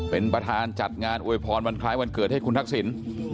เป็นประธานจัดงานอวยพรวันคล้ายวันเกิดให้คุณทักษิณ